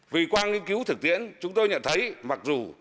vì qua nghiên cứu thực tiễn chúng tôi nhận thấy mặc dù